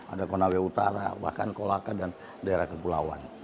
ada konawe utara bahkan kolaka dan daerah kepulauan